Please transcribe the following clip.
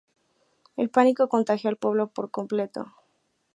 El pánico contagia al pueblo por completo.